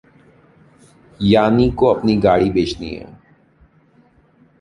Yanni को अपनी गाड़ी बेचनी है।